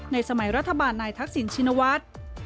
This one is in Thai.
สมัยรัฐบาลนายทักษิณชินวัฒน์